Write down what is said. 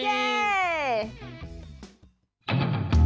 เย้